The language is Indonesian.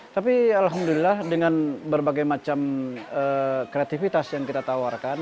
tapi alhamdulillah dengan berbagai macam kreativitas yang kita tawarkan